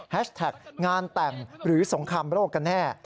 แท็กงานแต่งหรือสงครามโลกกันแน่